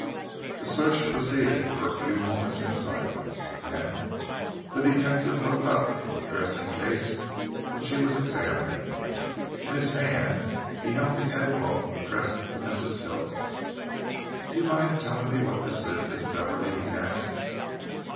The search proceeded for a few moments in silence. Then the detective looked up from the dressing case which he was examining. In his hand he held the envelope addressed to Mrs. Phillips. "Do you mind telling me what this is, Miss Beverley?" he asked.